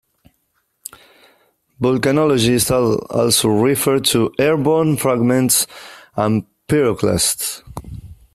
Volcanologists also refer to airborne fragments as pyroclasts.